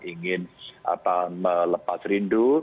ingin melepas rindu